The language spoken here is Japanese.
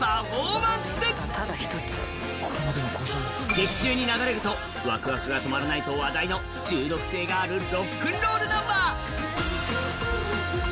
劇中に流れるとワクワクが止まらないと話題の中毒性があるロックンロールナンバー。